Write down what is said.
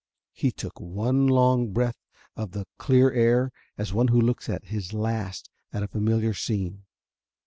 He took one long breath of the clear air as one who looks his last at a familiar scene.